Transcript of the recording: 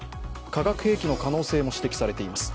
化学兵器の可能性も指摘されています。